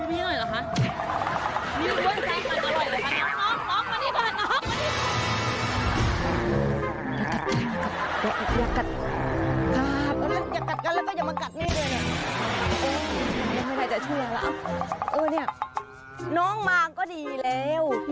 พี่ปิ๊บเจอคนให้ถามทางอีกทีแล้วกัน